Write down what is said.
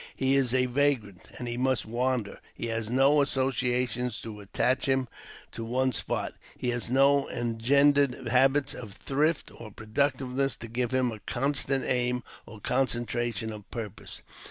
He is a vagrant, and he must wander ; he has no associations to attach him to one spot ; he has no engendered habits of thrift or productiveness to give him a constant aim or concentration of purpose.